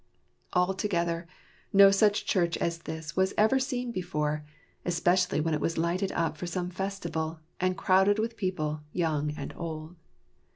Altogether, no such church as this was ever seen before, especially when it was lighted up for some festival, and crowded with people, young and old.